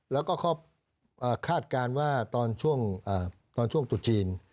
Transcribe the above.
แล้วก็เขาคาดการณ์ว่าตอนช่วงตุดจีน